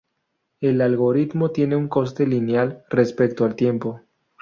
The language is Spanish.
El algoritmo tiene un coste lineal respecto al tiempo.